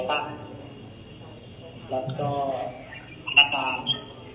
และก็อาจารย์